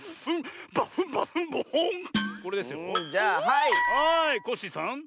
はいコッシーさん。